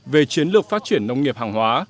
về chiến lược phát triển nông nghiệp hàng hóa